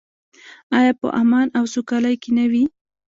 آیا په امن او سوکالۍ کې نه وي؟